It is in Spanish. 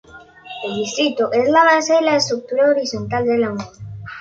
El distrito es la base de la estructura horizontal de la unión.